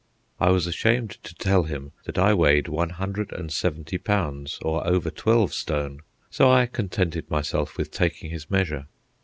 I was ashamed to tell him that I weighed one hundred and seventy pounds, or over twelve stone, so I contented myself with taking his measure.